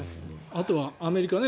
あとはアメリカね。